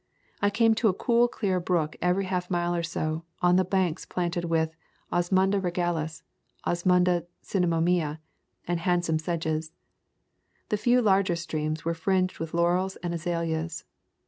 I came to a cool clear brook every half mile or so, the banks planted with Os munda regalis, Osmunda cinnamomea, and hand some sedges. The few larger streams were fringed with laurels and azaleas.